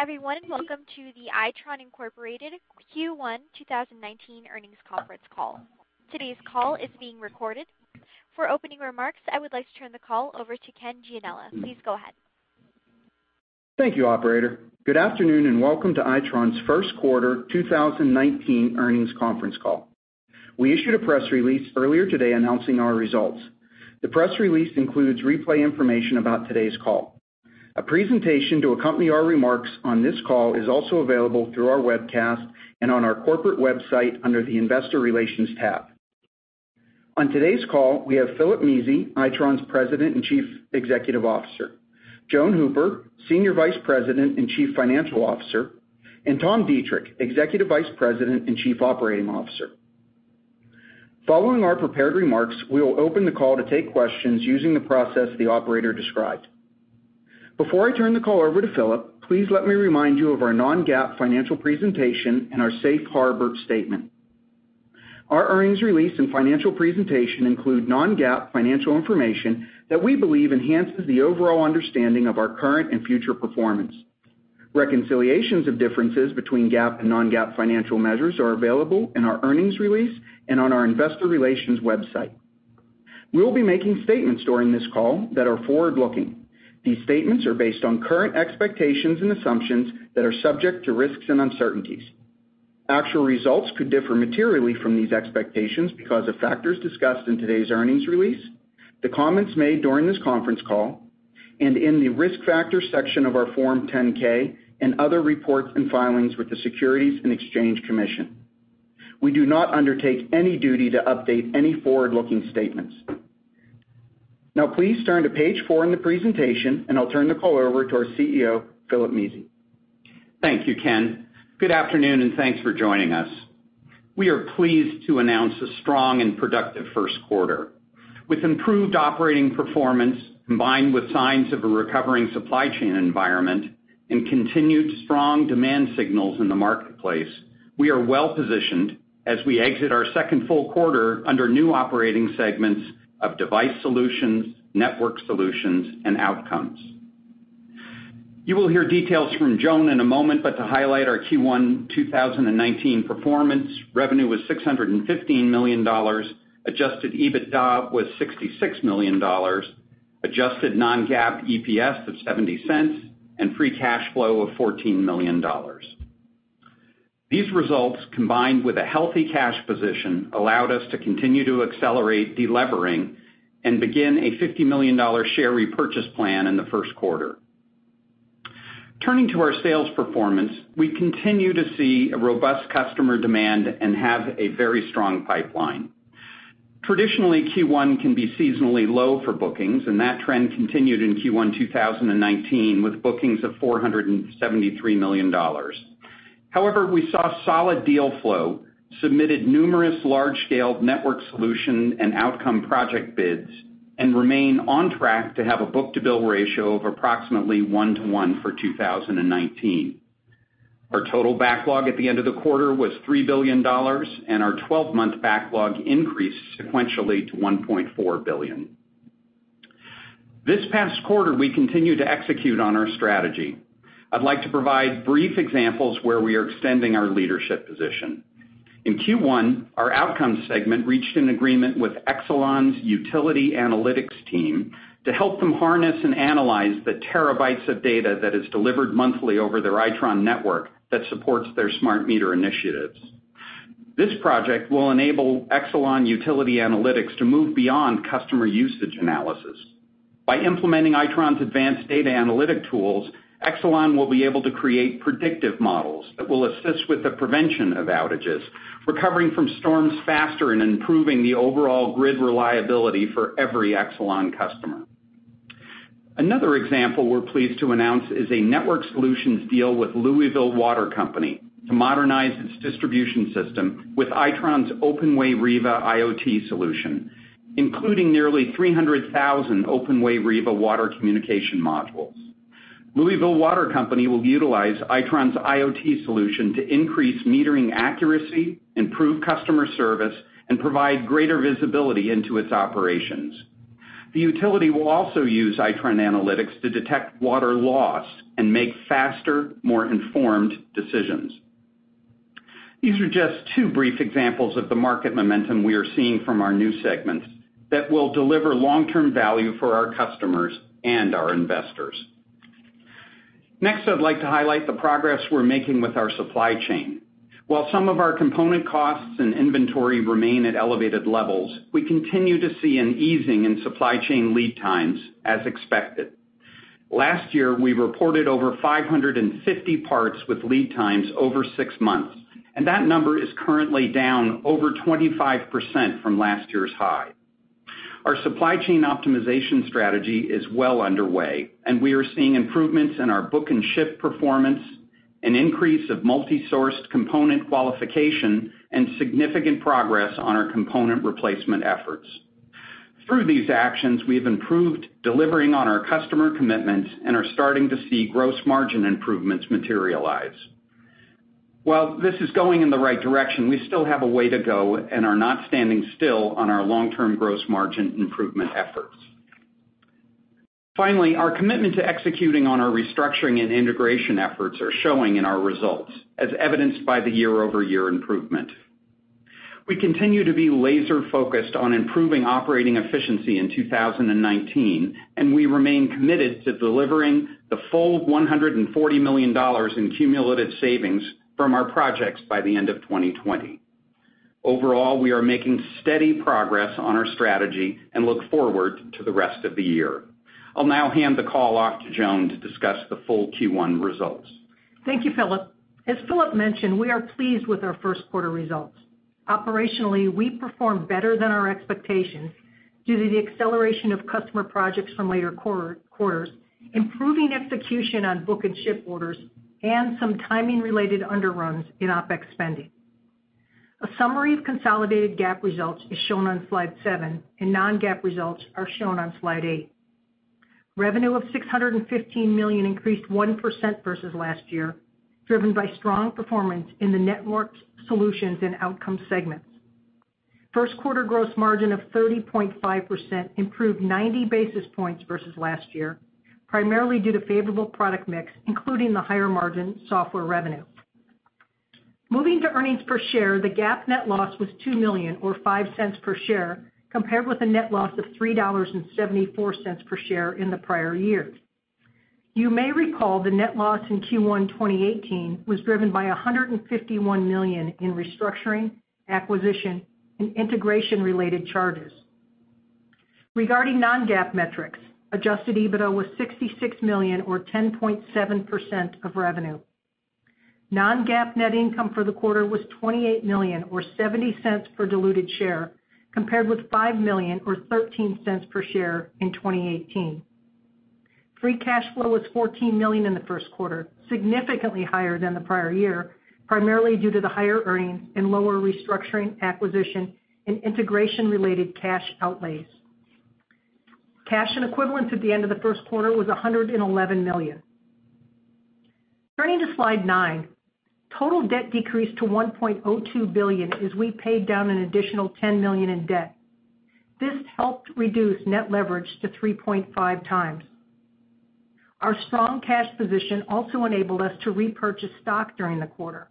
Good day everyone, welcome to the Itron, Inc. Q1 2019 earnings conference call. Today's call is being recorded. For opening remarks, I would like to turn the call over to Ken Gianella. Please go ahead. Thank you, operator. Good afternoon, welcome to Itron's first quarter 2019 earnings conference call. We issued a press release earlier today announcing our results. The press release includes replay information about today's call. A presentation to accompany our remarks on this call is also available through our webcast and on our corporate website under the investor relations tab. On today's call, we have Philip Mezey, Itron's President and Chief Executive Officer, Joan Hooper, Senior Vice President and Chief Financial Officer, and Tom Deitrich, Executive Vice President and Chief Operating Officer. Following our prepared remarks, we will open the call to take questions using the process the operator described. Before I turn the call over to Philip, please let me remind you of our non-GAAP financial presentation and our safe harbor statement. Our earnings release and financial presentation include non-GAAP financial information that we believe enhances the overall understanding of our current and future performance. Reconciliations of differences between GAAP and non-GAAP financial measures are available in our earnings release and on our investor relations website. We will be making statements during this call that are forward-looking. These statements are based on current expectations and assumptions that are subject to risks and uncertainties. Actual results could differ materially from these expectations because of factors discussed in today's earnings release, the comments made during this conference call, in the risk factor section of our Form 10-K and other reports and filings with the Securities and Exchange Commission. We do not undertake any duty to update any forward-looking statements. Please turn to page four in the presentation, I'll turn the call over to our CEO, Philip Mezey. Thank you, Ken. Good afternoon, thanks for joining us. We are pleased to announce a strong and productive first quarter. With improved operating performance, combined with signs of a recovering supply chain environment and continued strong demand signals in the marketplace, we are well-positioned as we exit our second full quarter under new operating segments of Device Solutions, Networked Solutions, and Outcomes. You will hear details from Joan in a moment, but to highlight our Q1 2019 performance, revenue was $615 million, adjusted EBITDA was $66 million, adjusted non-GAAP EPS of $0.70, free cash flow of $14 million. These results, combined with a healthy cash position, allowed us to continue to accelerate delevering and begin a $50 million share repurchase plan in the first quarter. Turning to our sales performance, we continue to see a robust customer demand and have a very strong pipeline. Traditionally, Q1 can be seasonally low for bookings, and that trend continued in Q1 2019 with bookings of $473 million. However, we saw solid deal flow, submitted numerous large-scale Networked Solutions and Outcomes project bids, and remain on track to have a book-to-bill ratio of approximately 1 to 1 for 2019. Our total backlog at the end of the quarter was $3 billion, and our 12-month backlog increased sequentially to $1.4 billion. This past quarter, we continued to execute on our strategy. I'd like to provide brief examples where we are extending our leadership position. In Q1, our Outcomes segment reached an agreement with Exelon's utility analytics team to help them harness and analyze the terabytes of data that is delivered monthly over their Itron network that supports their smart meter initiatives. This project will enable Exelon utility analytics to move beyond customer usage analysis. By implementing Itron's advanced data analytic tools, Exelon will be able to create predictive models that will assist with the prevention of outages, recovering from storms faster and improving the overall grid reliability for every Exelon customer. Another example we're pleased to announce is a Networked Solutions deal with Louisville Water Company to modernize its distribution system with Itron's OpenWay Riva IoT solution, including nearly 300,000 OpenWay Riva water communication modules. Louisville Water Company will utilize Itron's IoT solution to increase metering accuracy, improve customer service, and provide greater visibility into its operations. The utility will also use Itron analytics to detect water loss and make faster, more informed decisions. These are just two brief examples of the market momentum we are seeing from our new segments that will deliver long-term value for our customers and our investors. Next, I'd like to highlight the progress we're making with our supply chain. While some of our component costs and inventory remain at elevated levels, we continue to see an easing in supply chain lead times, as expected. Last year, we reported over 550 parts with lead times over six months, and that number is currently down over 25% from last year's high. Our supply chain optimization strategy is well underway, and we are seeing improvements in our book and ship performance, an increase of multi-sourced component qualification, and significant progress on our component replacement efforts. Through these actions, we have improved delivering on our customer commitments and are starting to see gross margin improvements materialize. While this is going in the right direction, we still have a way to go and are not standing still on our long-term gross margin improvement efforts. Finally, our commitment to executing on our restructuring and integration efforts are showing in our results, as evidenced by the year-over-year improvement. We continue to be laser-focused on improving operating efficiency in 2019, and we remain committed to delivering the full $140 million in cumulative savings from our projects by the end of 2020. Overall, we are making steady progress on our strategy and look forward to the rest of the year. I'll now hand the call off to Joan to discuss the full Q1 results. Thank you, Philip. As Philip mentioned, we are pleased with our first quarter results. Operationally, we performed better than our expectations due to the acceleration of customer projects from later quarters, improving execution on book and ship orders, and some timing-related underruns in OpEx spending. A summary of consolidated GAAP results is shown on slide seven, and non-GAAP results are shown on slide eight. Revenue of $615 million increased 1% versus last year, driven by strong performance in the Networks, Solutions, and Outcomes segments. First quarter gross margin of 30.5% improved 90 basis points versus last year, primarily due to favorable product mix, including the higher margin software revenue. Moving to earnings per share, the GAAP net loss was $2 million or $0.05 per share, compared with a net loss of $3.74 per share in the prior year. You may recall the net loss in Q1 2018 was driven by $151 million in restructuring, acquisition, and integration-related charges. Regarding non-GAAP metrics, adjusted EBITDA was $66 million or 10.7% of revenue. Non-GAAP net income for the quarter was $28 million or $0.70 per diluted share, compared with $5 million or $0.13 per share in 2018. Free cash flow was $14 million in the first quarter, significantly higher than the prior year, primarily due to the higher earnings and lower restructuring, acquisition, and integration-related cash outlays. Cash and equivalents at the end of the first quarter was $111 million. Turning to slide nine. Total debt decreased to $1.02 billion as we paid down an additional $10 million in debt. This helped reduce net leverage to 3.5 times. Our strong cash position also enabled us to repurchase stock during the quarter.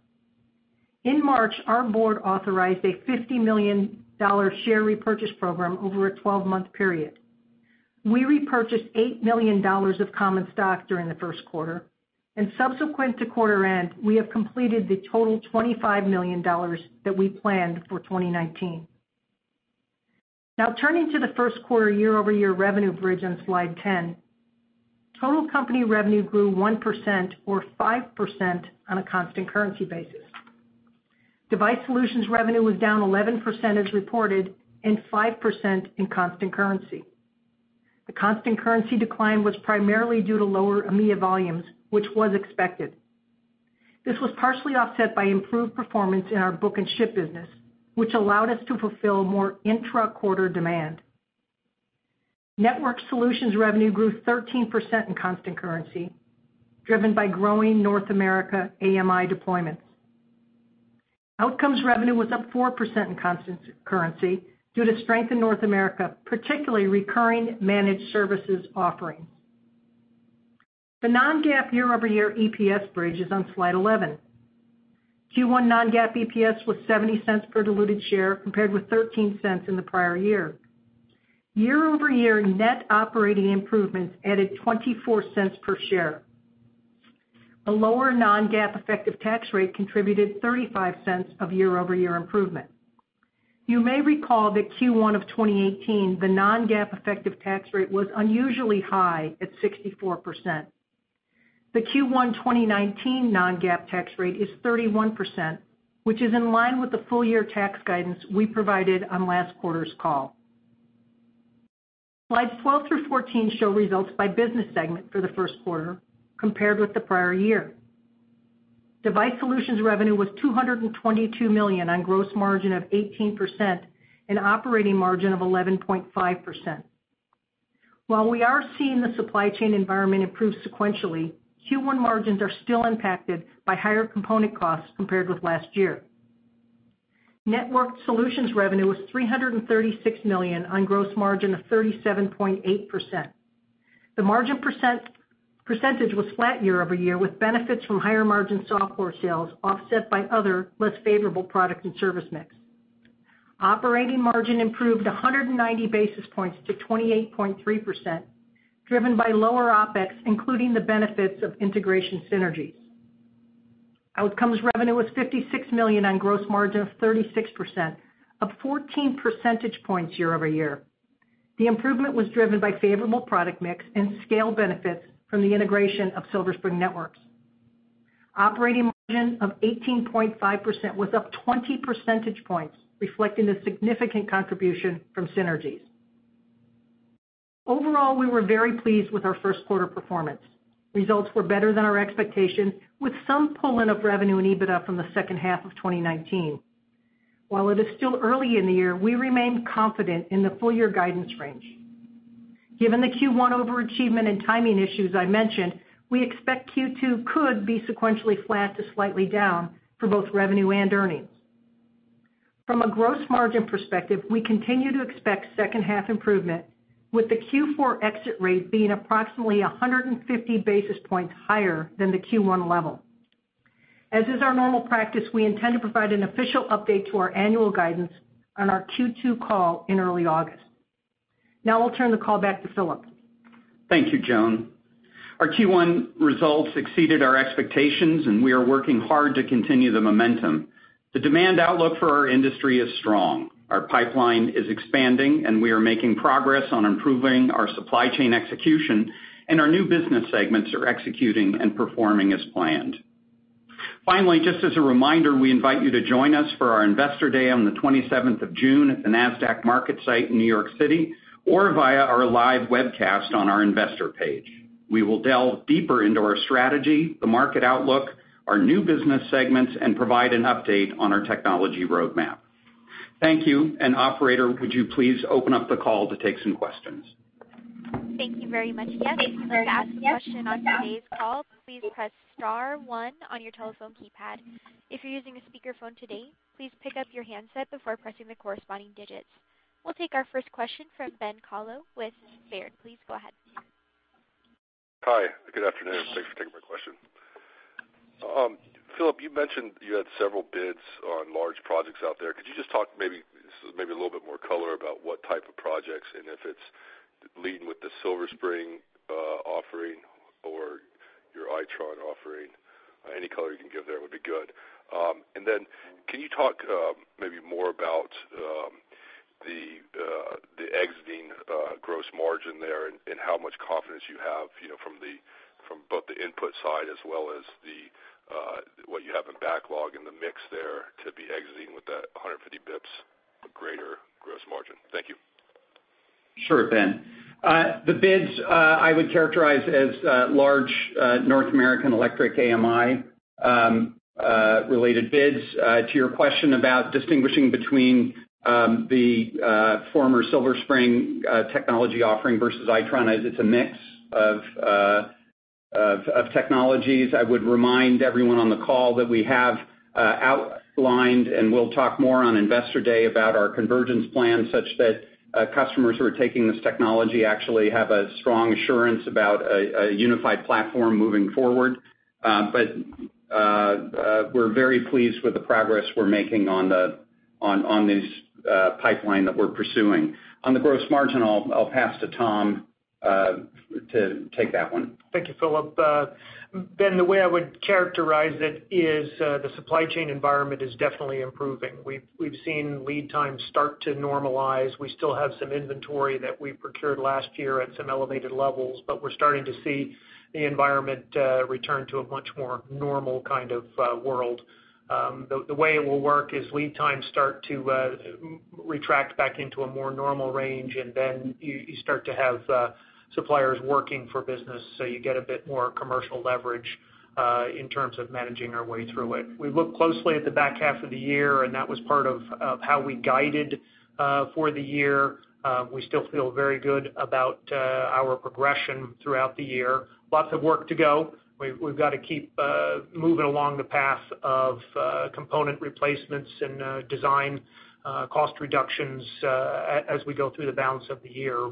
In March, our board authorized a $50 million share repurchase program over a 12-month period. We repurchased $8 million of common stock during the first quarter, and subsequent to quarter end, we have completed the total $25 million that we planned for 2019. Turning to the first quarter year-over-year revenue bridge on slide 10. Total company revenue grew 1% or 5% on a constant currency basis. Device Solutions revenue was down 11% as reported and 5% in constant currency. The constant currency decline was primarily due to lower EMEA volumes, which was expected. This was partially offset by improved performance in our book and ship business, which allowed us to fulfill more intra-quarter demand. Networked Solutions revenue grew 13% in constant currency, driven by growing North America AMI deployments. Outcomes revenue was up 4% in constant currency due to strength in North America, particularly recurring managed services offerings. The non-GAAP year-over-year EPS bridge is on slide 11. Q1 non-GAAP EPS was $0.70 per diluted share compared with $0.13 in the prior year. Year-over-year net operating improvements added $0.24 per share. A lower non-GAAP effective tax rate contributed $0.35 of year-over-year improvement. You may recall that Q1 of 2018, the non-GAAP effective tax rate was unusually high at 64%. The Q1 2019 non-GAAP tax rate is 31%, which is in line with the full-year tax guidance we provided on last quarter's call. Slides 12 through 14 show results by business segment for the first quarter compared with the prior year. Device Solutions revenue was $222 million on gross margin of 18% and operating margin of 11.5%. While we are seeing the supply chain environment improve sequentially, Q1 margins are still impacted by higher component costs compared with last year. Networked Solutions revenue was $336 million on gross margin of 37.8%. The margin percentage was flat year-over-year with benefits from higher margin software sales offset by other less favorable product and service mix. Operating margin improved 190 basis points to 28.3%, driven by lower OpEx, including the benefits of integration synergies. Outcomes revenue was $56 million on gross margin of 36%, up 14 percentage points year-over-year. The improvement was driven by favorable product mix and scale benefits from the integration of Silver Spring Networks. Operating margin of 18.5% was up 20 percentage points, reflecting the significant contribution from synergies. Overall, we were very pleased with our first quarter performance. Results were better than our expectations, with some pull-in of revenue and EBITDA from the second half of 2019. While it is still early in the year, we remain confident in the full-year guidance range. Given the Q1 overachievement and timing issues I mentioned, we expect Q2 could be sequentially flat to slightly down for both revenue and earnings. From a gross margin perspective, we continue to expect second half improvement with the Q4 exit rate being approximately 150 basis points higher than the Q1 level. As is our normal practice, we intend to provide an official update to our annual guidance on our Q2 call in early August. I'll turn the call back to Philip. Thank you, Joan. Our Q1 results exceeded our expectations, we are working hard to continue the momentum. The demand outlook for our industry is strong. Our pipeline is expanding, we are making progress on improving our supply chain execution, our new business segments are executing and performing as planned. Finally, just as a reminder, we invite you to join us for our Investor Day on the 27th of June at the Nasdaq market site in New York City, or via our live webcast on our investor page. We will delve deeper into our strategy, the market outlook, our new business segments, and provide an update on our technology roadmap. Thank you, operator, would you please open up the call to take some questions? Thank you very much. To ask a question on today's call, please press *1 on your telephone keypad. If you're using a speakerphone today, please pick up your handset before pressing the corresponding digits. We'll take our first question from Ben Kallo with Baird. Please go ahead. Hi. Good afternoon. Thanks for taking my question. Philip, you mentioned you had several bids on large projects out there. Could you just talk maybe a little bit more color about what type of projects, and if it's leading with the Silver Spring offering or your Itron offering? Any color you can give there would be good. Can you talk maybe more about the exiting gross margin there and how much confidence you have from both the input side as well as what you have in backlog and the mix there to be exiting with that 150 basis points of greater gross margin? Thank you. Sure, Ben. The bids I would characterize as large North American Electric AMI-related bids. To your question about distinguishing between the former Silver Spring technology offering versus Itron, as it's a mix of technologies, I would remind everyone on the call that we have outlined, and we'll talk more on Investor Day about our convergence plan, such that customers who are taking this technology actually have a strong assurance about a unified platform moving forward. We're very pleased with the progress we're making on this pipeline that we're pursuing. On the gross margin, I'll pass to Tom to take that one. Thank you, Philip. Ben, the way I would characterize it is the supply chain environment is definitely improving. We've seen lead times start to normalize. We still have some inventory that we procured last year at some elevated levels, but we're starting to see the environment return to a much more normal kind of world. The way it will work is lead times start to retract back into a more normal range, and then you start to have suppliers working for business, so you get a bit more commercial leverage in terms of managing our way through it. We look closely at the back half of the year, and that was part of how we guided for the year. We still feel very good about our progression throughout the year. Lots of work to go. We've got to keep moving along the path of component replacements and design cost reductions as we go through the balance of the year.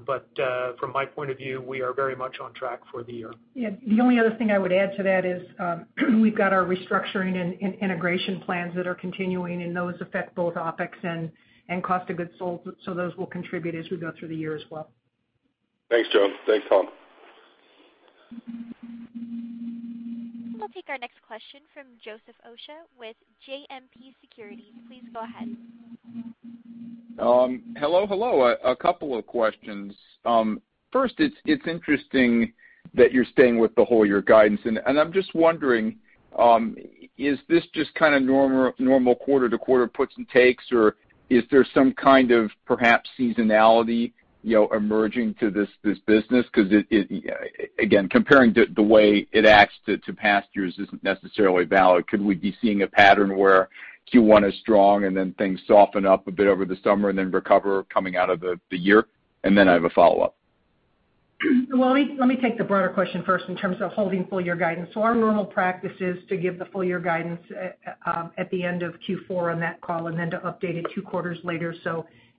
From my point of view, we are very much on track for the year. Yeah. The only other thing I would add to that is we've got our restructuring and integration plans that are continuing, and those affect both OpEx and cost of goods sold. Those will contribute as we go through the year as well. Thanks, Joan. Thanks, Tom. We'll take our next question from Joseph Osha with JMP Securities. Please go ahead. Hello. A couple of questions. It's interesting that you're staying with the whole year guidance, and I'm just wondering, is this just kind of normal quarter-to-quarter puts and takes, or is there some kind of perhaps seasonality emerging to this business? Again, comparing the way it acts to past years isn't necessarily valid. Could we be seeing a pattern where Q1 is strong and then things soften up a bit over the summer and then recover coming out of the year? Then I have a follow-up. Well, let me take the broader question first in terms of holding full-year guidance. Our normal practice is to give the full-year guidance at the end of Q4 on that call and then to update it two quarters later.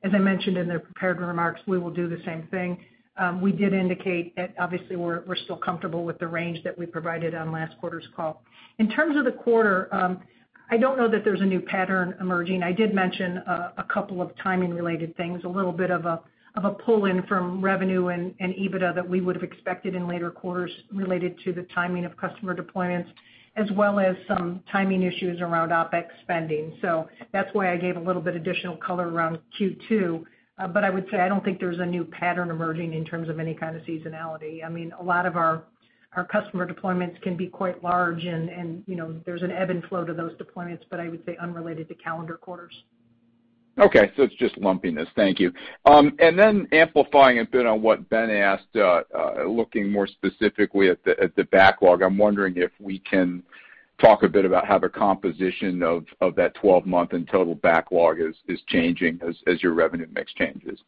As I mentioned in the prepared remarks, we will do the same thing. We did indicate that obviously we're still comfortable with the range that we provided on last quarter's call. In terms of the quarter, I don't know that there's a new pattern emerging. I did mention a couple of timing-related things, a little bit of a pull-in from revenue and EBITDA that we would have expected in later quarters related to the timing of customer deployments as well as some timing issues around OpEx spending. That's why I gave a little bit additional color around Q2. I would say I don't think there's a new pattern emerging in terms of any kind of seasonality. A lot of our customer deployments can be quite large, and there's an ebb and flow to those deployments, but I would say unrelated to calendar quarters. Okay, it's just lumpiness. Thank you. Amplifying a bit on what Ben asked, looking more specifically at the backlog, I'm wondering if we can talk a bit about how the composition of that 12-month and total backlog is changing as your revenue mix changes.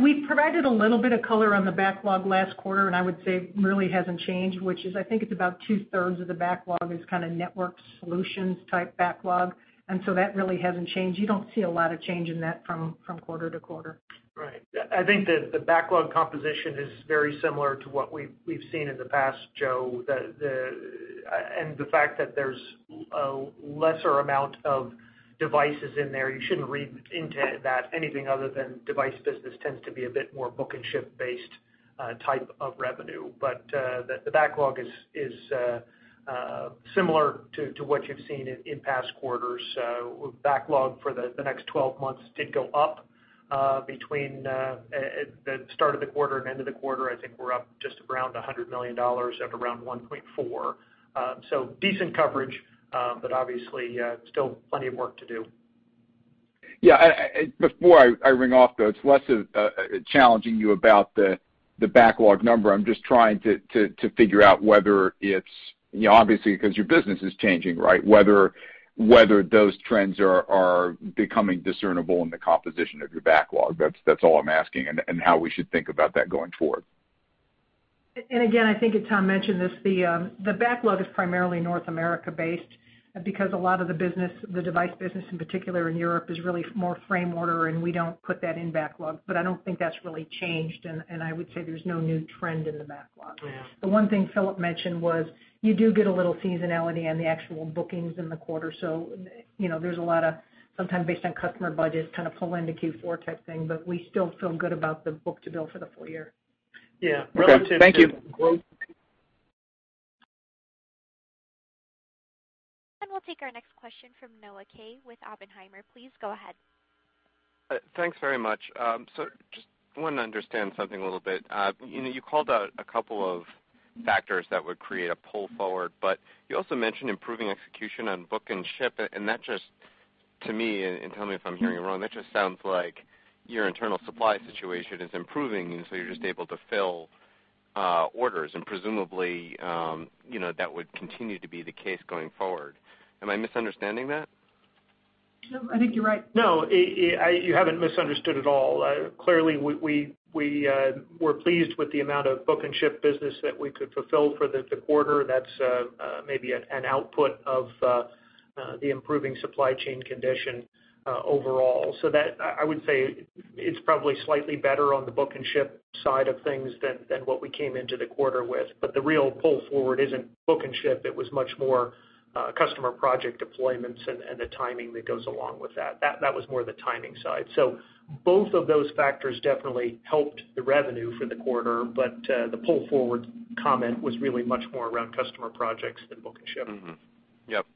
We provided a little bit of color on the backlog last quarter, I would say it really hasn't changed, which is, I think it's about two-thirds of the backlog is kind of Networked Solutions type backlog, that really hasn't changed. You don't see a lot of change in that from quarter to quarter. Right. I think that the backlog composition is very similar to what we've seen in the past, Joe. The fact that there's a lesser amount of devices in there, you shouldn't read into that anything other than device business tends to be a bit more book and ship based type of revenue. The backlog is similar to what you've seen in past quarters. Backlog for the next 12 months did go up between the start of the quarter and end of the quarter. I think we're up just around $100 million at around $1.4 billion. Decent coverage, but obviously, still plenty of work to do. Yeah. Before I ring off, though, it's less of challenging you about the backlog number. I'm just trying to figure out whether it's, obviously, because your business is changing, right? Whether those trends are becoming discernible in the composition of your backlog. That's all I'm asking, and how we should think about that going forward. Again, I think as Tom mentioned this, the backlog is primarily North America-based because a lot of the business, the device business in particular in Europe, is really more frame order, and we don't put that in backlog. I don't think that's really changed, and I would say there's no new trend in the backlog. Yeah. The one thing Philip mentioned was you do get a little seasonality on the actual bookings in the quarter, so there's a lot of sometimes based on customer budgets, kind of pull into Q4 type thing, but we still feel good about the book-to-bill for the full year. Yeah. Okay. Thank you. We'll take our next question from Noah Kaye with Oppenheimer. Please go ahead. Thanks very much. Just wanted to understand something a little bit. You called out a couple of factors that would create a pull forward, but you also mentioned improving execution on book and ship, that just to me, and tell me if I'm hearing it wrong, that just sounds like your internal supply situation is improving, you're just able to fill orders and presumably, that would continue to be the case going forward. Am I misunderstanding that? No, I think you're right. No, you haven't misunderstood at all. Clearly, we're pleased with the amount of book and ship business that we could fulfill for the quarter. That's maybe an output of the improving supply chain condition overall. That, I would say it's probably slightly better on the book and ship side of things than what we came into the quarter with. The real pull forward isn't book and ship. It was much more customer project deployments and the timing that goes along with that. That was more the timing side. Both of those factors definitely helped the revenue for the quarter. The pull forward comment was really much more around customer projects than book and ship. Mm-hmm. Yep.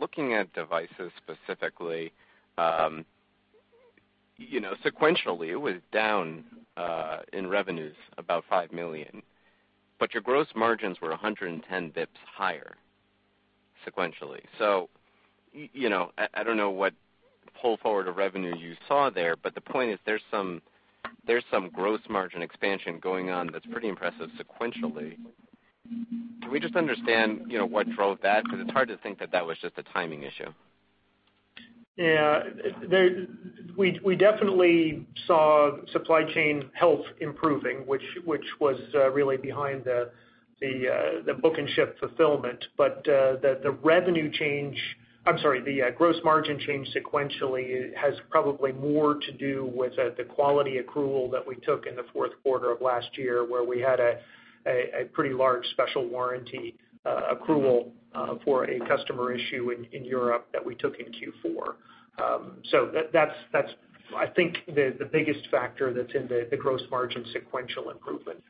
Looking at devices specifically, sequentially, it was down in revenues about $5 million, your gross margins were 110 basis points higher sequentially. I don't know what pull forward of revenue you saw there, the point is there's some gross margin expansion going on that's pretty impressive sequentially. Can we just understand what drove that? It's hard to think that that was just a timing issue. Yeah. We definitely saw supply chain health improving, which was really behind the book and ship fulfillment. The revenue change, I'm sorry, the gross margin change sequentially has probably more to do with the quality accrual that we took in the fourth quarter of last year, where we had a pretty large special warranty accrual for a customer issue in Europe that we took in Q4. That's, I think, the biggest factor that's in the gross margin sequential improvement.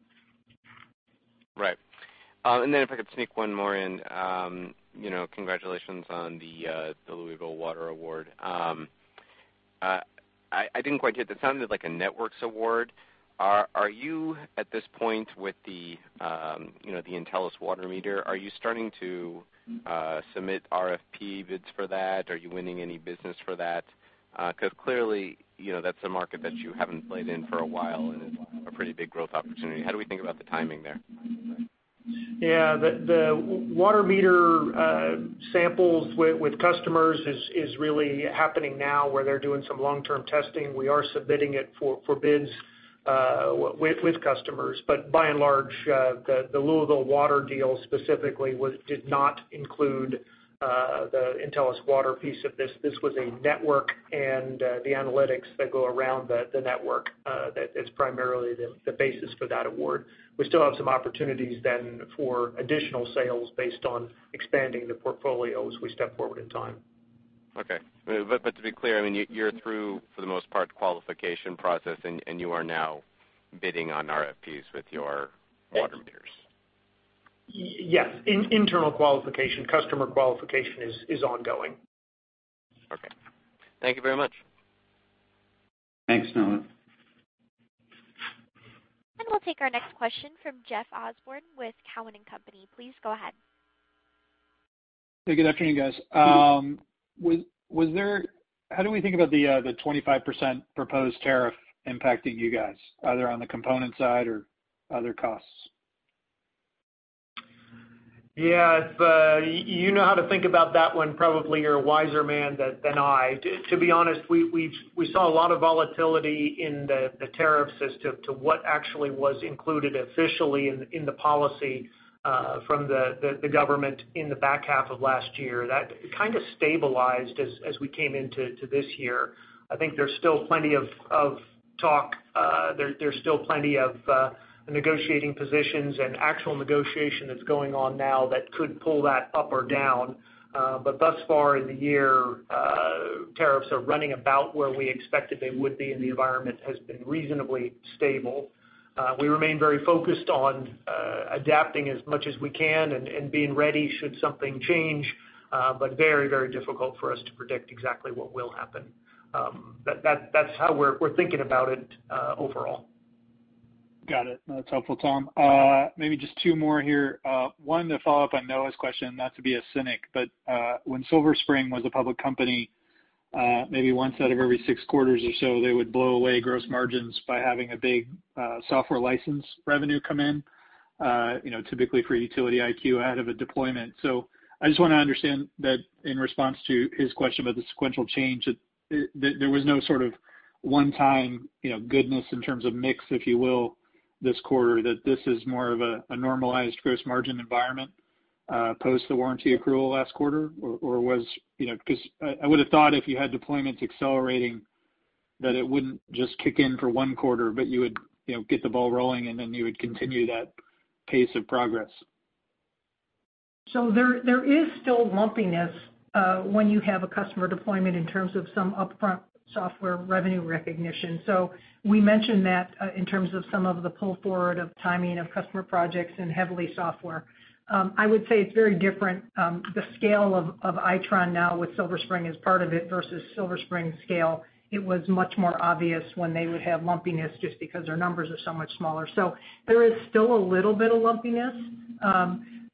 Right. If I could sneak one more in. Congratulations on the Louisville Water award. I didn't quite get, that sounded like a networks award. Are you at this point with the Intellis water meter, are you starting to submit RFP bids for that? Are you winning any business for that? Clearly, that's a market that you haven't played in for a while and is a pretty big growth opportunity. How do we think about the timing there? Yeah. The water meter samples with customers is really happening now where they're doing some long-term testing. We are submitting it for bids with customers. By and large, the Louisville Water deal specifically did not include the Intellis water piece of this. This was a network and the analytics that go around the network that is primarily the basis for that award. We still have some opportunities then for additional sales based on expanding the portfolio as we step forward in time. Okay. To be clear, you're through, for the most part, qualification process, and you are now bidding on RFPs with your water meters? Yes. Internal qualification, customer qualification is ongoing. Okay. Thank you very much. Thanks, Noah. We'll take our next question from Jeff Osborne with Cowen and Company. Please go ahead. Good afternoon, guys. How do we think about the 25% proposed tariff impacting you guys, either on the component side or other costs? Yeah. If you know how to think about that one, probably you're a wiser man than I. To be honest, we saw a lot of volatility in the tariff system to what actually was included officially in the policy from the government in the back half of last year. That kind of stabilized as we came into this year. I think there's still plenty of talk, there's still plenty of negotiating positions and actual negotiation that's going on now that could pull that up or down. Thus far in the year, tariffs are running about where we expected they would be, and the environment has been reasonably stable. We remain very focused on adapting as much as we can and being ready should something change. Very difficult for us to predict exactly what will happen. That's how we're thinking about it overall. Got it. That's helpful, Tom. Just two more here. One to follow up on Noah's question, not to be a cynic, when Silver Spring was a public company, maybe once out of every six quarters or so, they would blow away gross margins by having a big software license revenue come in, typically for UtilityIQ ahead of a deployment. I just want to understand that in response to his question about the sequential change, that there was no sort of one-time goodness in terms of mix, if you will, this quarter, that this is more of a normalized gross margin environment post the warranty accrual last quarter? Because I would've thought if you had deployments accelerating, that it wouldn't just kick in for one quarter, you would get the ball rolling, you would continue that pace of progress. There is still lumpiness when you have a customer deployment in terms of some upfront software revenue recognition. We mentioned that in terms of some of the pull forward of timing of customer projects and heavily software. I would say it's very different. The scale of Itron now with Silver Spring as part of it versus Silver Spring scale, it was much more obvious when they would have lumpiness just because their numbers are so much smaller. There is still a little bit of lumpiness.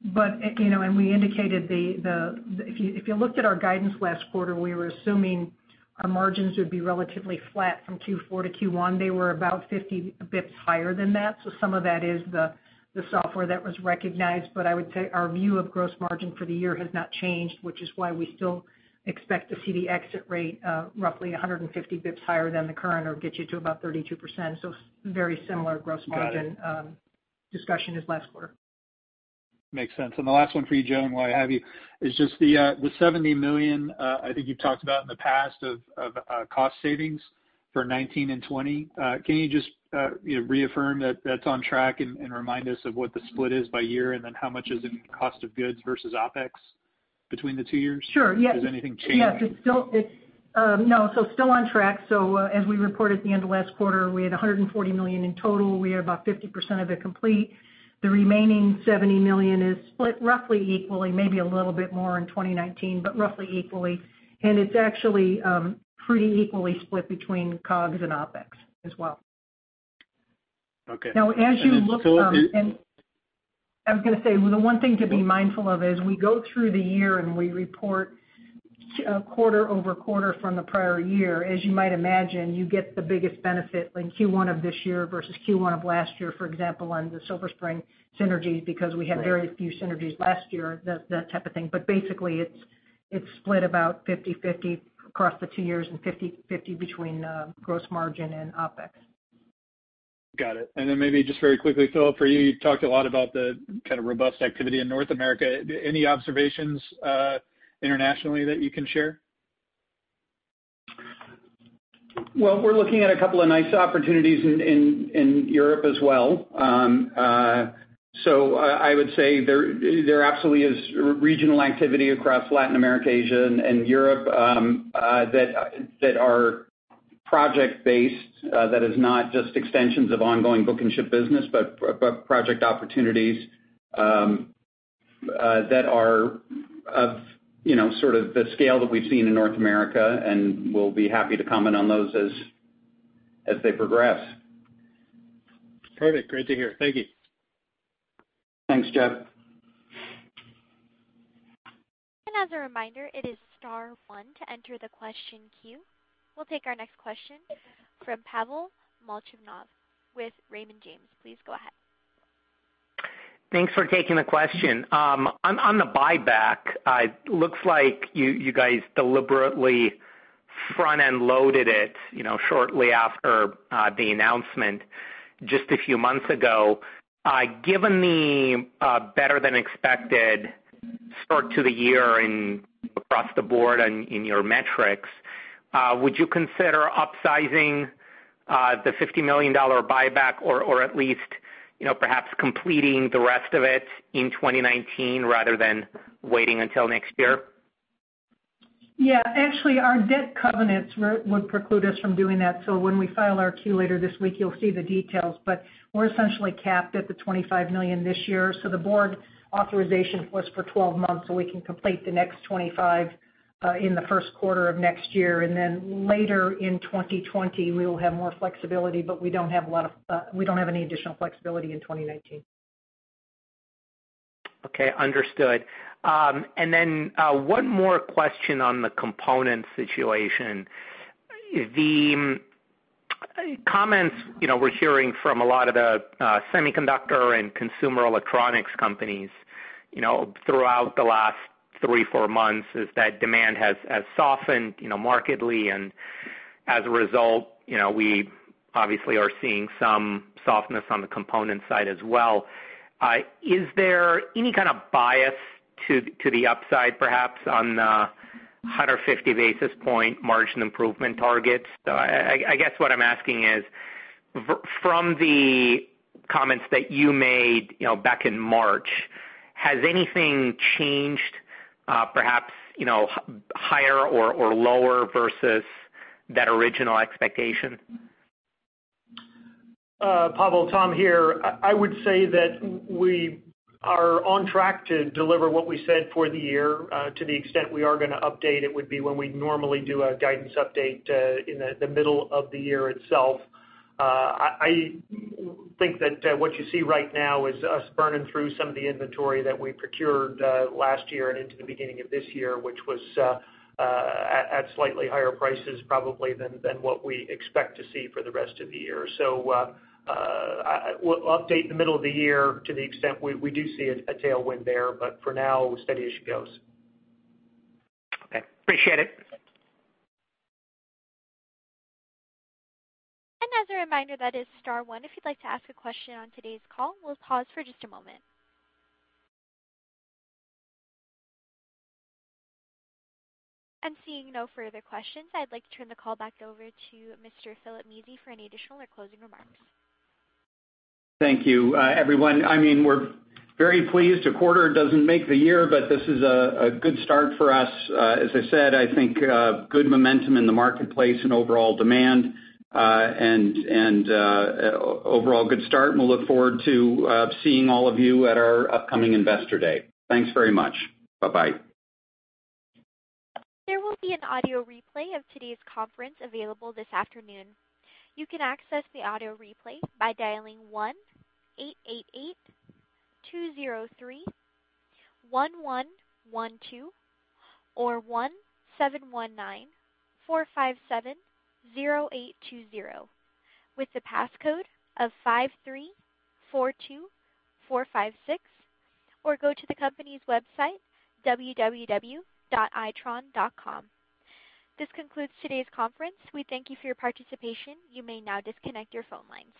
We indicated, if you looked at our guidance last quarter, we were assuming our margins would be relatively flat from Q4 to Q1. They were about 50 bits higher than that. Some of that is the software that was recognized. I would say our view of gross margin for the year has not changed, which is why we still expect to see the exit rate roughly 150 bits higher than the current or get you to about 32%. Very similar gross margin- Got it discussion as last quarter. Makes sense. The last one for you, Joan, while I have you, is just the $70 million I think you've talked about in the past of cost savings for 2019 and 2020. Can you just reaffirm that that's on track and remind us of what the split is by year, and then how much is in cost of goods versus OpEx between the two years? Sure. Yeah. Has anything changed? Yes. No, still on track. As we reported at the end of last quarter, we had $140 million in total. We had about 50% of it complete. The remaining $70 million is split roughly equally, maybe a little bit more in 2019, but roughly equally, and it's actually pretty equally split between COGS and OpEx as well. Okay. Then, Philip- The one thing to be mindful of is we go through the year, and we report quarter over quarter from the prior year. You might imagine, you get the biggest benefit in Q1 of this year versus Q1 of last year, for example, on the Silver Spring synergies because we had very few synergies last year, that type of thing. Basically, it's split about 50/50 across the two years and 50/50 between gross margin and OpEx. Got it. Then maybe just very quickly, Philip, for you talked a lot about the kind of robust activity in North America. Any observations internationally that you can share? We're looking at a couple of nice opportunities in Europe as well. I would say there absolutely is regional activity across Latin America, Asia, and Europe that are project-based, that is not just extensions of ongoing book-and-ship business, but project opportunities that are of sort of the scale that we've seen in North America, and we'll be happy to comment on those as they progress. Perfect. Great to hear. Thank you. Thanks, Jeff. As a reminder, it is *1 to enter the question queue. We'll take our next question from Pavel Molchanov with Raymond James. Please go ahead. Thanks for taking the question. On the buyback, it looks like you guys deliberately front-end loaded it shortly after the announcement just a few months ago. Given the better-than-expected start to the year and across the board and in your metrics, would you consider upsizing the $50 million buyback or at least perhaps completing the rest of it in 2019 rather than waiting until next year? Yeah. Actually, our debt covenants would preclude us from doing that. When we file our Q later this week, you'll see the details, but we're essentially capped at the $25 million this year. The board authorization was for 12 months, we can complete the next $25 million in the first quarter of next year, and then later in 2020, we will have more flexibility, but we don't have any additional flexibility in 2019. Okay, understood. Then one more question on the component situation. The comments we're hearing from a lot of the semiconductor and consumer electronics companies throughout the last three, four months is that demand has softened markedly, and as a result, we obviously are seeing some softness on the component side as well. Is there any kind of bias to the upside, perhaps, on the 150 basis point margin improvement targets? I guess what I'm asking is, from the comments that you made back in March, has anything changed, perhaps higher or lower versus that original expectation? Pavel, Tom here. I would say that we are on track to deliver what we said for the year. To the extent we are going to update it would be when we normally do a guidance update in the middle of the year itself. I think that what you see right now is us burning through some of the inventory that we procured last year and into the beginning of this year, which was at slightly higher prices probably than what we expect to see for the rest of the year. We'll update in the middle of the year to the extent we do see a tailwind there. For now, steady as she goes. Okay. Appreciate it. As a reminder, that is star one if you'd like to ask a question on today's call. We'll pause for just a moment. Seeing no further questions, I'd like to turn the call back over to Mr. Philip Mezey for any additional or closing remarks. Thank you, everyone. We're very pleased. A quarter doesn't make the year, but this is a good start for us. As I said, I think good momentum in the marketplace and overall demand, and overall good start, and we'll look forward to seeing all of you at our upcoming investor day. Thanks very much. Bye-bye. There will be an audio replay of today's conference available this afternoon. You can access the audio replay by dialing 1-888-203-1112 or 1-719-457-0820 with the passcode of 5342456, or go to the company's website, www.itron.com. This concludes today's conference. We thank you for your participation. You may now disconnect your phone lines.